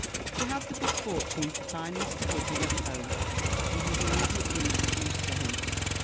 She had the good fortune to find Mr. Goodman at home, and was immediately introduced to him.